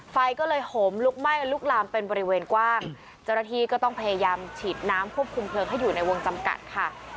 ไฟก็เลยห่มลุกไหม้ลุกลามเป็นบริเวณกว้างเจ้าหน้าที่ก็ต้องพยายามฉีดน้ำควบคุมเพลิงให้อยู่ในวงจำกัดค่ะ